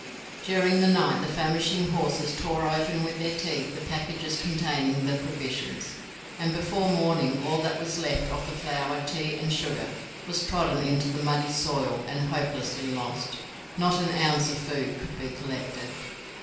During the night the famishing horses tore open with their teeth the packages containing the provisions, and before morning all that was left of the flour, tea, and sugar was trodden into the muddy soil and hopelessly lost; not an ounce of food could be collected.